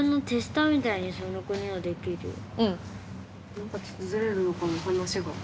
何かちょっとずれるのかも話が。